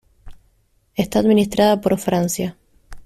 Está administrada por Francia.